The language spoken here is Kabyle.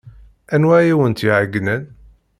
Anwa ay awent-iɛeyynen?